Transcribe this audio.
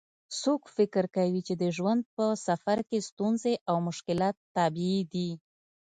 څوک فکر کوي چې د ژوند په سفر کې ستونزې او مشکلات طبیعي دي